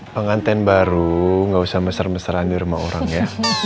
pengantin baru gak usah meser meseran di rumah orang ya